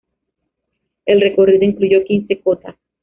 El recorrido incluyó quince cotas.